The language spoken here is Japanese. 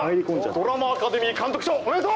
ドラマアカデミー監督賞おめでとう！